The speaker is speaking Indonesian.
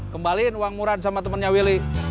kembaliin uang murah sama temannya willy